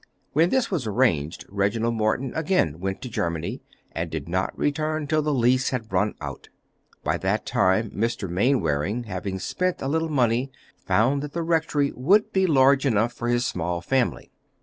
When this was arranged Reginald Morton again went to Germany, and did not return till the lease had run out. By that time Mr. Mainwaring, having spent a little money, found that the rectory would be large enough for his small family.